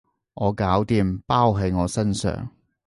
我搞掂，包喺我身上